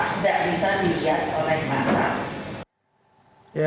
tidak bisa dihias oleh mana